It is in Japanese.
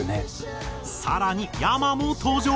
更にｙａｍａも登場！